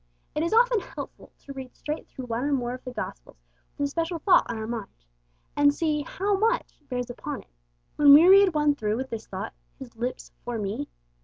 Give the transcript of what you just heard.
It is often helpful to read straight through one or more of the Gospels with a special thought on our mind, and see how much bears upon it. When we read one through with this thought 'His lips for me!'